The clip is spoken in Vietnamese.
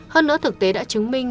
hơn nữa thực tế đã chứng minh